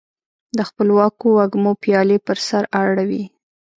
د خپلواکو وږمو پیالي پر سر اړوي